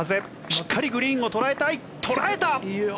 しっかりグリーンを捉えたい。